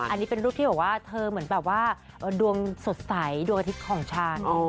อันนี้เป็นรูปที่บอกว่าเธอเหมือนแบบว่าดวงสดใสดวงอาทิตย์ของฉัน